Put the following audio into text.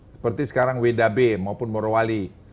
seperti sekarang wdb maupun morowali